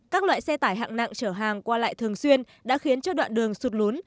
các loại xe tải hạng nặng chở hàng qua lại thường xuyên đã khiến cho đoạn đường sụt lún